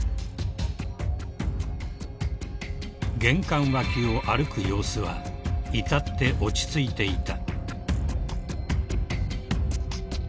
［玄関脇を歩く様子は至って落ち着いていた］